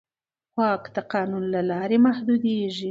واک د قانون له لارې محدودېږي.